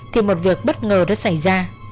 thì một việc bất ngờ đã xảy ra